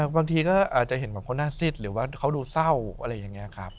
บางทีก็อาจจะเห็นแบบเขาหน้าซิดหรือว่าเขาดูเศร้าอะไรอย่างนี้ครับ